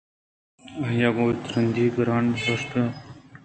آئیءَ گوں ترٛندیءُگُرّ ءُ نِہر کشّان ءَ گوٛشت